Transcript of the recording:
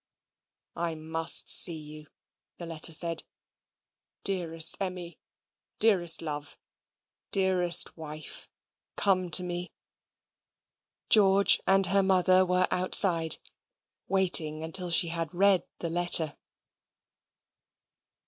"I must see you," the letter said. "Dearest Emmy dearest love dearest wife, come to me." George and her mother were outside, waiting until she had read the letter.